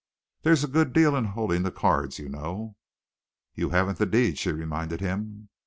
There's a good deal in holding the cards, you know." "You haven't the deed," she reminded him.